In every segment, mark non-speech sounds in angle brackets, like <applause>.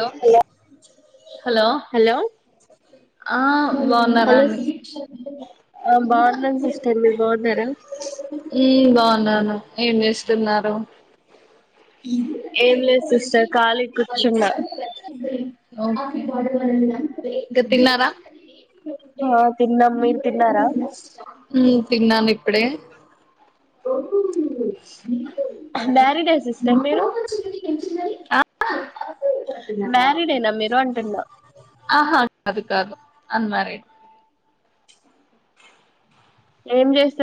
లో hello hello hello బఉన్నారాండి ఆ బాగున్నాను సిస్టర్ మీరు బాగున్నారా బాగున్నాను ఏం చేస్తున్నారు మ న ఏం ఏ లేదు పో సిస్టర్ ఖాళీ చ కూర్చున్నా <inaudible> గ తన్నారా ఆ తిన్నాం మీరు <inaudible> తిన్నారా ఉ తిన్నాను ఇప్పుడే మ్యారిడ్ అసిస్టర్ మేరు ఆ మరీడ్ేనా మీరు అంటూనా ఆహా అదు కాదు అన్మారీడ్ ఏం చేస్త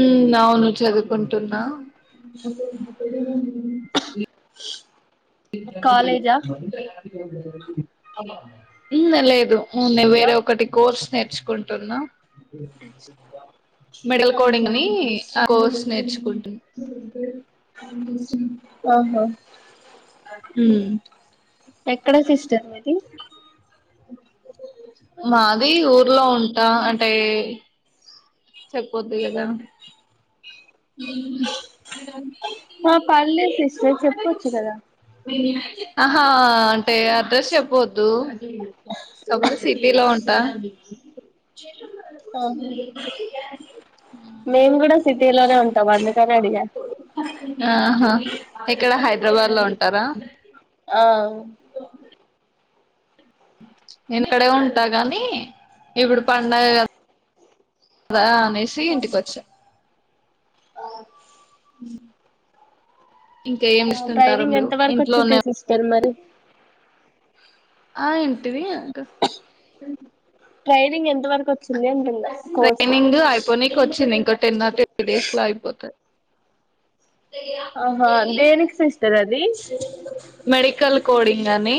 ఉ అవును చదువుకుంటున్నా ఇ కాలేజా ఇందలే ఇదు నేను హలో వేరే ఒకటి కోర్స్ నేర్చుకుంటున్నా మెడల్ ఆహా కోడింగ్ ని స్ేర్చిపోంట ఆహా హ ఎక్కడ సిస్టర్ మీది మాది ఊర్లో ఉంటా అంటే చెప్పపోద్ కదా ఆ పర్లేదు సిస్టర్ చెప్పొచ్చు కదా ఆహా అంటే అడ్రస్ చెప్పవద్దు సబతో సిటీలో ఉన్ంటా ఆహా మేము కూడా సిటీలోనే ఉంటాం అందు సరడిగా ఆహా ఇక్కడ హైదరాబాద్ లో ఉంటారా ఆ నేను ఇక్కడే ఉంటా కాగానీ ఇప్పుడు పడుగ కదా కదా అైసి ఇంటికి వచ్చే ఆ ఇంకా ఏమి ఇస్తుంటారు ట్రైనింగ్ మీరు ఎంత వరకు వచ్చింది ఇంట్లోనే సిస్టర్ మరి ఆ ఇంటిది అకా <inaudible> అంటున్నా కోర్సు ట్రైనింగ్ అయిపోనీనికి వచ్చింది ఇంకో టెన్ ఆర్ ట్వంటీ డేస్ లో అయిపోతంది ఆహా దేనికి సిస్టర్ అదిీ మెడికల్ కోడింగ్ అని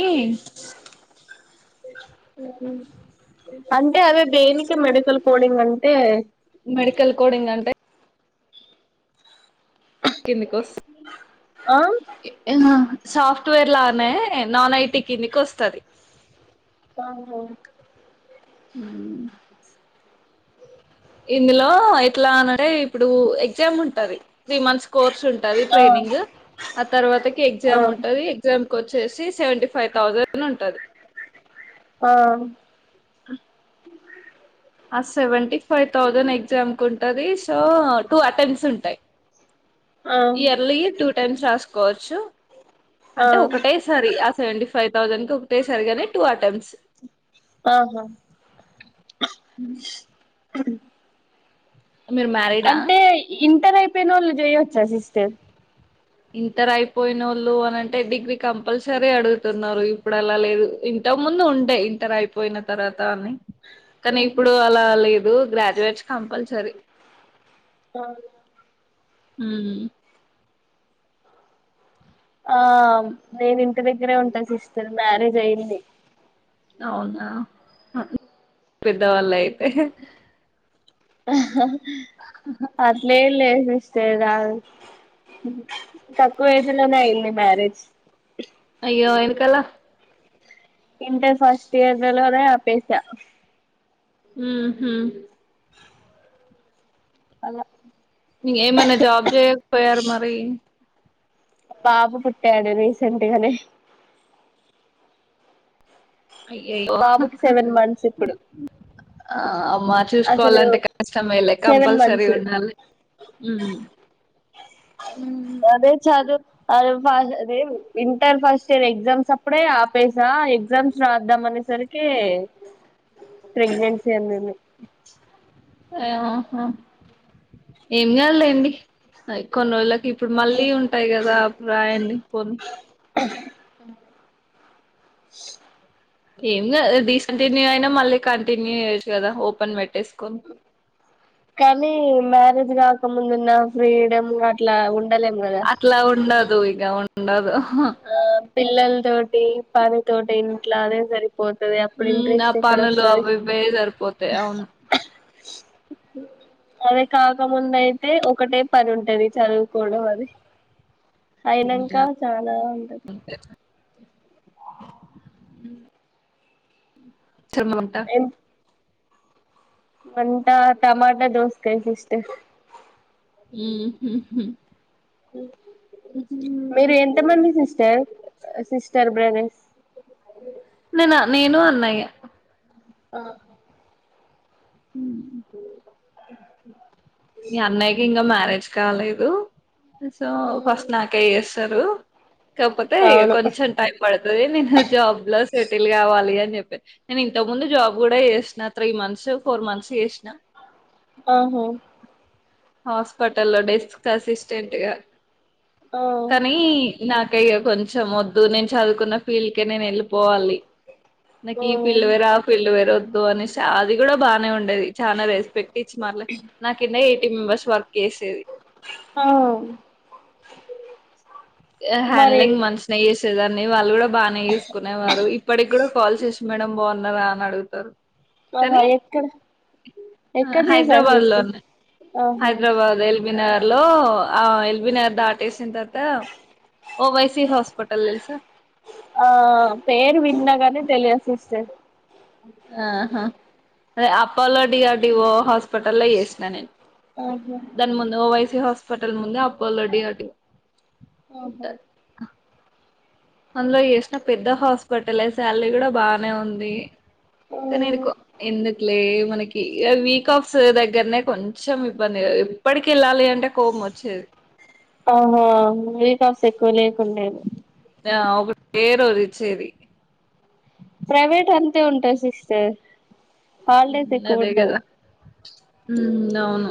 అంటే అవిే దేనికి మెడికల్ కోడింగ్ అంటే మెడికల్ కోడింగ్ అంటే ఎన్ని కోస్ ఆ సాఫ్ట్వేర్ లానే నాన్ ఐటీ కిందికి వస్తుంది ఆ ఉమా ఇందులో ఎట్లా అనంటే ఇప్పుడు ఎగ్జామ్ ఉంటది త్రీ మంత్స్ కోర్స్ ఉంట ఆ ట్రైనింగ్ ఆ తర్వాత ఆ ఎగ్జామ్ ఉంటది ఎగ్జా వచ్చేసి సెవెంటీ ఫైవ్ థౌజండ్ ఉంటుది ఆ <inaudible> సెవెంటీ ఫైవ్ థౌజండ్ ఎగ్జామ్ కు ఉంటుది సో టూ అటెంప్ట్స్ ఉంటాయి ఆ ఇయర్లీ టూ టైమ్స్ రాసుకోవచ్చు ఆ అంటే ఒకటే సారి ఆ సెవెంటీ ఫై్ ఫైవ్ థౌజండ్ కి ఒకటే సరిగానే టూ అటెంప్ట్స్ ఆహా మీరు మ్యారీడా అంటే ఇంటర్ అయిపోయిన వాళ్ళు చేయొచ్చా సిస్టర్ ఇంతరు అయిపోయిన వాళ్ళు అనింటే డిగ్రీ కంపల్సరీ అడుగుతున్నారు ఇప్పుడు అలా లేదు ఇంత ముందు ఉంటాయి ఇంతర అయిపోయిన తర్వాత అని కానీ ఇప్పుడు అలా లేదు గ్రాడ్యుయేట్స్ కంపల్సరీ అవు హ ఆ నేను ఇంటి దగ్గరే ఉంటా సిస్టర్ మ్యారేజ్ అయింది అవునా పెద్దవాళ్ళు అయితే ఆహ అలే లేదు ఇస్తేద తక్కువ వేసులోనే అయింది మ్యారేజ్ <inaudible> అయ్యో ఎనకాలా ఇంటర్ ఫస్ట్ ఇయర్లోదే పస ఉమా హు అలా ఇక ఏమనా జాబ్ చేయకపోయారు మరి పాప పుట్ట అడ రీసెట్గానే అయ్యయ్యో బాబుకి సెవెన్ మంత్స్ ఇప్పుడు ఆ అమ్మా అసలు చూసుకోవాలంటే కష్టమేలే సెవెన్ కంపల్సరీ మంత్స్ ఉండాలి హ్మ్ అదే చదు అ అదే ఇంటర్ ఫస్ట్ ఇయర్ ఎగ్జామ్స్ అప్పుడే కాపేసా ఎగ్జామ్స్ రాద్దాం అనేసరికి ప్రెగ్నెన్స అన్న ఆహా ఏం కాదు లేండి కొన్ని రోజుల ఇప్పుడు మళ్ళీ ఉంటాయి కదా అప్పుడు రాయండి పోన్ని అ ఏం కాదు డిస్కాంటిన్యూయు అయినా మళ్ళీ కంటిన్యూ ఇయొచ్చు కదా ఓపెన్ పెట్టేసుకొని కానీ మ్యారేజ్ కాకముందున్న ఫ్రీడమ్ అట్లా ఉంట అట్లా ఉండదు ఇక ఉండదు ఆ పిల్లల తోటి పని తోటి ఇంట్లో అదే సరి పోతుది అప్పుడు ఉమ్ ఆ ఇంట్రెస్ట్ ఎక్కడ పనులు వస్తది అవి ఇవే సరిపోతాయి అవును అ అదే కాకముంద అయితే ఒకటే పని ఉంటుంది చదువుకోవడం అది అయినాక చానా అంత చర్మ ఉంటా అంతా టమాటా దోసకై సిస్టర్ మ్మ్ హ్మ్ హ్మ్ అ మీరు ఎంతమంది సిస్టర్ సిస్టర్స్ బ్రదర్స్ నేనా నేను అన్నాయ ఆ హ్మ్ మీ అన్నయ్యకి ఇంకా మ్యారేజ్ కాలేదు సో ఫస్ట్ నాకే చేస్తారు కాకపోతే అవును కొంచెం టైం పడుతది నేను జాబ్ లో సెటిల్ కావాలి అని చెప్ప నేను ఇంత ముందు జాబ్ కూడా చేసిన త్రీ మంత్స్ ఫోర్ మంత్స్ చేసినా ఓహో హాస్పిటల్లో లో డెస్క్ అసిస్టెంట్ గా ఆ కానీ నాకయ కొంచెం వొద్దు నేను చదువుకున్న ఫీల్డ్కే నేను వెళ్ళ పోవాలి నాకు ఆ ఈ ఫీల్డ్ వేరే ఆ ఫీల్డ్ వేర వద్దు అనే అది కూడా బానే ఉండేది చాలా రెస్పెక్ట్ ఇచ్చి నా కిందా ఎయిటీ మెంబర్స్ వర్క్ చేసేది ఆ మరి హ్యాండడ్లింగ్ మంచిగా చేసేదాన్ని వాళ్ళు కూడా బానే చూసుకునేవారు ఇప్పటికి కూడా కాల్ చేస మేడం బాగున్నరా అని అడుగుతారు ఆహా కానీ ఎక్కడ ఎక్కడ చేసారు హైదరాబాద్ లో సిస్టర్ ఉన్నా ఆహా హైదరాబాద్ ఎల్బ నగర్లులో విన దాటేసింతత ఓ వైసి హాస్పిటల్ల్సా ఆ పేరు విన్నగానే తెలియదు సిస్టర్ ఆహా అదే లో డిఆర్ డిఓ హాస్పిటల్ లో చేసిన నేను ఆహా దాని ముందు ఓవైసి హాస్పి ఫటల్ ముందే అప్పుల్డీ అటి ఆహా ఉంటారు అందులో చేసిన పెద్ద హాస్పిటల్ శాలరీ కూడా బానే ఉంది కనీ ఎందుకో ఎందుకు లే మనకి వీక్ ఆఫ్స్ దగ్గరనే కొంచెం ఇబ్బంది ఎప్పటికి వెళ్ళాలి అంటే కోపం వచ్చేది ఆహా ఇవి కాస్త ఎక్కువ లేకుండేది ఆ ఒక పేరు ఇచ్చేది ప్రైవేట్ అంతే ఉంటయి సిస్టర్ హాలిడేస్ హ్మ్ ఎక్కువ అదే ఉండవు కదా ఉమ్ అవును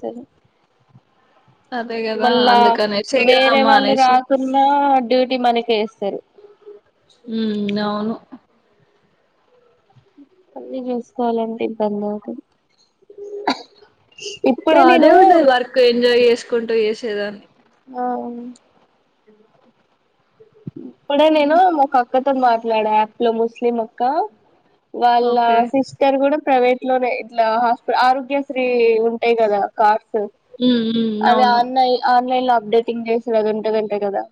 సరే అదే కదా మళ్ళా అందుకనేసి ఇగ వేరే వాళ్ళు మానేసి రాకున్నా డ్యూటీ మనకే వేస్తారు ఉ నవును అన్నీ చూసుకోవాలంటే ఇబ్బంది అవుతది బాదే నేను ఉండది వర్క్ ఎంజాయ్ చేసుకుంటూ చేసేదాన్ని అవున్ ఇప్పుడే నేను ఒక అక్కతోని మాట్లాడా ఆప్లో ముస్లిం అక్క వాళ్ళ ఓకే సిస్టర్ కూడా ప్రైవేట్ లోనే ఇట్లా అహ ఆరోగ్యశ్రీ ఉంటాయి కదా కార్ ఉ అది ఆన్లైన్ ఆన్లైన్ లో అప్డేటింగ్ చేసారు అది ఉంటది అంట కదా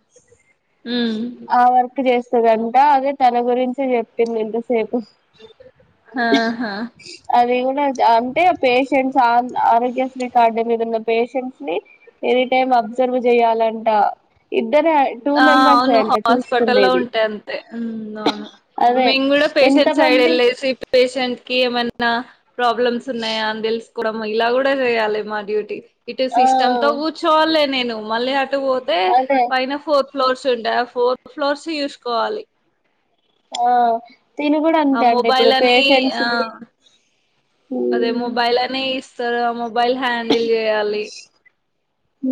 ఉమ్ ఆ వర్క్ చేస్తదంట అదే తన గురించి చెప్పింది ఇంత సేపు ఆహా అది కూడా అంటే పేషెంట్స్ ఆ ఆరోగ్యశ్రీ కార్డు మీద ఉన్న పేషెంట్ నీ ఎనీ టైమ్ అబ్సర్వ్ చేయాలంట ఆ అవును హాస్పిటల్ లో చూసుకుండేది ఉంటాయి అంతే అవును అదే మేము కూడా ఎంత పేషెంట్ సైడ్ మంది ఎల్ ఎ సి పేషెంట్ కి ఏమన్నా ప్రాబ్లమ్స్ ఉన్నాయా అని తెలుసుకోవడం ఇలా కూడా చేయాలి మా డ్యూటీ ఇటు ఆ సిస్టమ్ తో కూర్చోవాలే నేను మళ్ళీ అటు పోతే అదే పైన ఫోర్త్ ఫ్లోర్స్ ఉండే ఆ ఫోర్త్ ఫ్లోర్స్ చూసుకోవాలి ఆ తిను కూడా ఆ అంతే అండి ఇప్పుడు మొబైల్ అని పేషెంట్స్ ఆ ని అదే మొబైల్ అనే ఇస్తారు ఆ మొబైల్ హ్యాండిల్ చేయాలి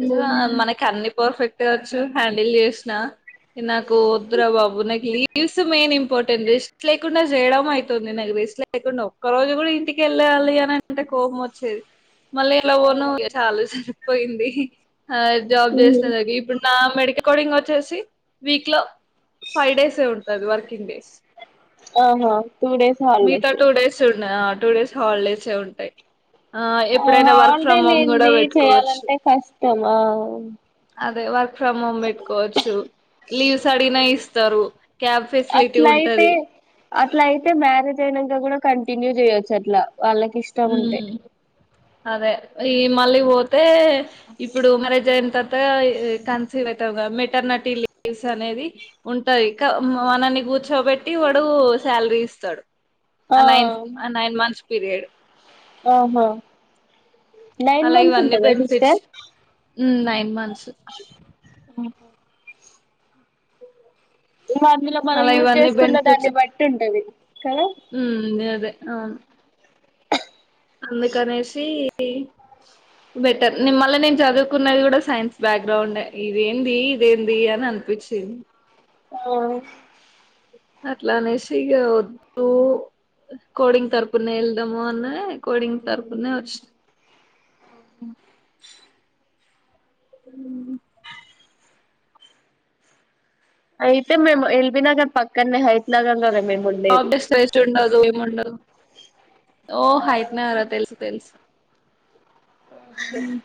ఏజారా మనకి అన్ని పర్ఫెక్ట్ వచ్చు హ్యాండిల్ చేసిన నాకు కో వద్దు బాబు నకిలీ కివుస్ మెయిన్ ఇంపార్టెంట్ రిస్క్ లేకుండా చేయడం అయితుంది నాకు రిస్క్ లేకుండా ఒక్క రోజు కూడా ఇంటికెళ్ళ కళ్లి అని అంటే కోపం వచ్చేది మళ్ళీ ఎలా పోను ఇగ చాలు సరిపోయింది ఆ జాబ్ చేసిన దగి ఇప్పుడు నా మెడిక కార్డింగ్ వచ్చేసి వీక్ లో ఫైవ్ డేస్ ఏ ఉంటది వర్కింగ్ డేస్ ఆహా టూ డేస్ మిగతా హాలిడేస్ టూ డేస్ ఉన్నదా టూ డేస్ హాలిడేస్ సే ఉంటాయి ఆ ఎప్పుడైనా వర్క్ హాలిడే ఫ్రమ్ హోమ్ కూడా లేంది పెట్టుకోవచ్చు చేయాలంటే కష్టమా అదే వర్క్ ఫ్రమ్ హోమ్ పెట్టుకోవచ్చు లీవ్స్ అడిగిన ఇస్తారు క్యాబ్ ఫెసిలిటీ అట్లయితే ఉంటది అట్లా అయితే మ్యారేజ్ అయినంకా కూడా కంటిన్యూ చేయొచ్చు అట్లా వాళ్ళకి ఇష్టం ఉంటే ఉమ్ అదే ఈ మళ్ళీ పోతే ఇప్పుడు మరేజ్ అయిన తర్వా కంసివే వెటర్న మెటర్టీ లీవ్స్ అనేది ఉంటాయి కా మనన్ని కుచ్చు చోపెట్టి వాడు శాలరీ ఇస్తాడు ఆ నైన్ ఆ నైన్ మంత్స్ పీరియడ్ ఆహా నైన్ అలా మంత్స్ ఇవన్నీ ఉంటందా బెనిఫిట్స్ సిస్టర్ హ్మ్ నైన్ మంత్స్ అ ఇంకా అందులో మనం అలా యూజ్ ఇవన్నీ చేసుకున్న బెనిఫిట్స్ దాన్ని బట్టి ఉంటది కదా హ్మ్ గదే అవును అందుకనేసి బెటర్ నిమళ్ళ నేను చదువుకున్నది కూడా సైన్స్ బ్యాగ్రౌండ్ ఇదేంది ఇదేంది అని అనిపి షిన్ ఆ అట్లా అనేసి ఇగా వద్దు కోడింగ్ తరపునే వెళ్దాము అని కోడింగ్ తరపునే వచ్చి న్ అవును ఉ అయితే మేమ్ ఇ ల్ బి నగర్ పక్కనే హయిత్ నగర్ లోనే ఆబ్డెస్స్ రెస్ట్ ఉండదు ఎమ్ ఉండదు ఓ ఆ ఆయిత్నేగరా తెలుసు తెలుసు ఉహు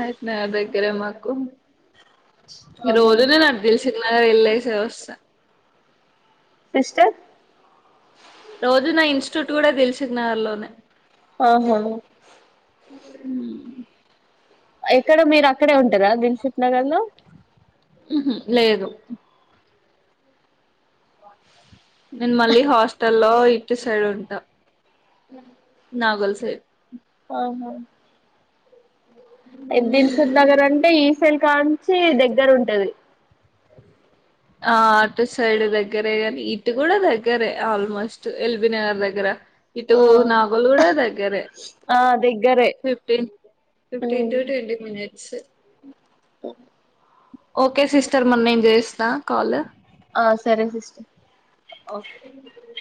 అయితేనగర్ దగ్గరే మాకు ఆహా రోజునే నా అటు దిల్ సుఖ్ నగర్ వేళ్ళేసి వస్తా సిస్టర్ రోజు నా ఇన్స్టిట్యూట్ కూడా దిల్ సుఖ్నగర్ లోనే ఆహా మ్ ఎక్కడ మీరు అక్కడే ఉంటరా దిల్ సుఖ్ నగర్ లో లేదు నేను మళ్ళీ హాస్టల్ లో ఇటు సైడ్ ఉంటా <unintelligible> నాగోల్ సైడ్ ఆ హ దిల్ సుఖ్ నగర అంటే ఈసి ఐ ల్ న్ కాంచి దగ్గర ఉంటది ఆ అటు సైడ్ దగ్గరే గాని ఇటు కూడా దగ్గరే ఆల్మోస్ట్ ఎల్బీ నగర్ దగ్గర ఇటు ఆ నాగోల్ గూడా దగ్గరే ఆ దగ్గరే ఫిఫటీన్టు ఫిఫటీన్ టు ట్వీ మినట్స్ <unintelligible> ఓకే సిస్టర్ మన్న నేను చేస్తా కాల్ ఆ సరే సిస్టర్ ఓకే